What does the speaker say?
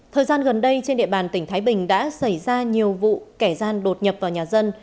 thời gian gần đây trên địa bàn tỉnh thái bình đã xảy ra nhiều vụ kẻ gian đột nhập vào nhà dân